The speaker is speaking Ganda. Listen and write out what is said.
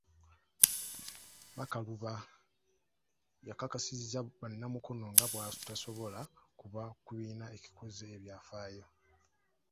Bakaluba yakakasizza bannamukono nga bw’atasobola kuva mu kibiina ekikoze ebyafaayo.